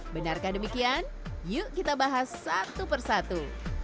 benarkah demikian yuk kita bahas satu persatu